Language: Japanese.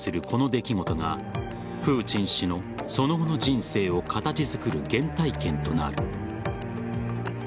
この出来事がプーチン氏のその後の人生を形作る原体験となる。